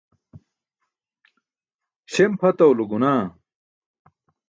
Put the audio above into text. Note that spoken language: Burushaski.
Śem pʰatawulo gunaah.